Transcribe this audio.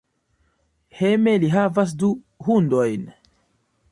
Hejme li havas du hundojn.